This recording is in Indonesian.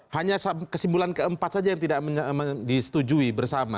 hanya kesimpulan keempat saja yang tidak disetujui bersama